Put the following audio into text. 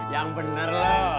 yang bener loh